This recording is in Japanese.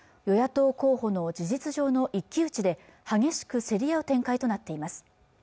与野党候補の事実上の一騎打ちで激しく競り合う展開となっています